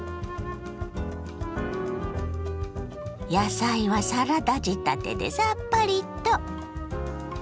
野菜はサラダ仕立てでさっぱりと。